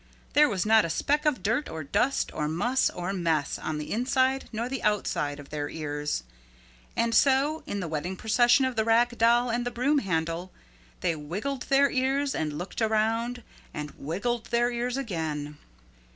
There was not a speck of dirt or dust or muss or mess on the inside nor the outside of their ears. And so in the wedding procession of the Rag Doll and the Broom Handle, they wiggled their ears and looked around and wiggled their ears again.